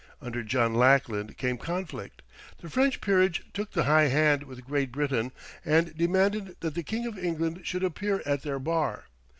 Under John Lackland came conflict. The French peerage took the high hand with Great Britain, and demanded that the king of England should appear at their bar.